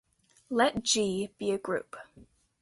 Let "G" be a group.